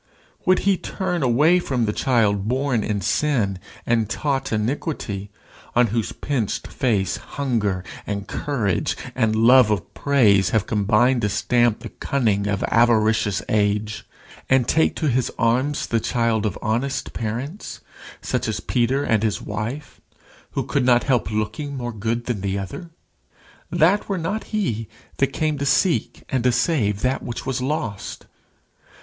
Would he turn away from the child born in sin and taught iniquity, on whose pinched face hunger and courage and love of praise have combined to stamp the cunning of avaricious age, and take to his arms the child of honest parents, such as Peter and his wife, who could not help looking more good than the other? That were not he who came to seek and to save that which was lost.